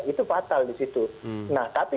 itu fatal disitu nah tapi